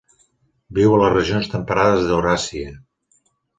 Viu a les regions temperades d'Euràsia.